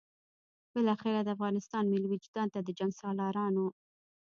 بالاخره د افغانستان ملي وجدان ته د جنګسالارانو.